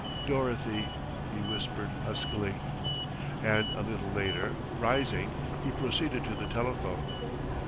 "Dorothy!" he whispered huskily. And a little later, rising, he proceeded to the telephone....